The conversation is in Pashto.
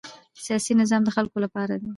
سیاسي نظام د خلکو لپاره دی